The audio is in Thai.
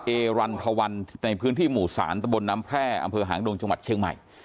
เอรันทวันในพื้นที่หมู่๓ตะบนน้ำแพร่อำเภอหางดงจังหวัดเชียงใหม่